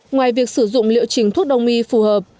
ngoài việc sử dụng liệu trình thuốc đông y phù hợp